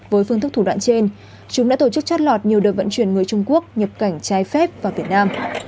với phương thức thủ đoạn trên chúng đã tổ chức chót lọt nhiều đợt vận chuyển người trung quốc nhập cảnh trái phép vào việt nam